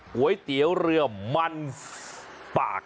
ก๋วยเตี๋ยวเรือมันปาก